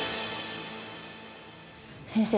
先生